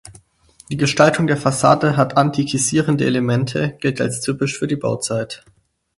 Die Gestaltung der Fassade hat antikisierende Elemente gilt als typisch für die Bauzeit.